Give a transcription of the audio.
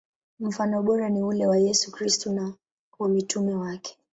Mfano bora ni ule wa Yesu Kristo na wa mitume wake.